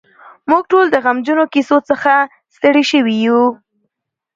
موږ ټول د غمجنو کیسو څخه ستړي شوي یو.